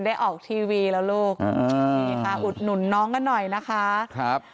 ออกทีวีแล้วลูกอ่านี่ค่ะอุดหนุนน้องกันหน่อยนะคะครับ